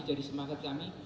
jadi semangat kami